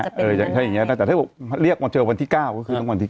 ใช่อย่างนี้แต่ถ้าเรียกวันเจอวันที่๙ก็คือต้องวันที่๙